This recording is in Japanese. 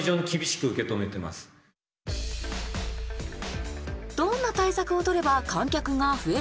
どんな対策をとれば観客が増えるのか。